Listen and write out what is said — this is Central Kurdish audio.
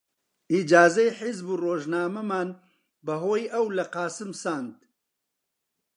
ئیجازەی حیزب و ڕۆژنامەمان بە هۆی ئەو لە قاسم ساند